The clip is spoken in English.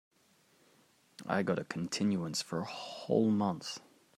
I got a continuance for a whole month.